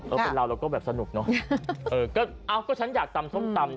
เป็นเราเราก็แบบสนุกเนอะเออก็เอ้าก็ฉันอยากตำส้มตำ